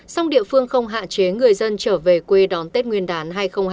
song địa phương không hạn chế người dân trở về quê đón tết nguyên đán hai nghìn hai mươi